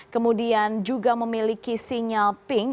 kemudian juga memiliki sinyal pink